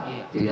tidak ada merah